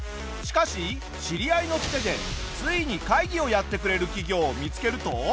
しかし知り合いのツテでついに会議をやってくれる企業を見つけると。